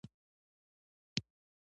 سندرغاړو به ویل ښکلي طرزونه.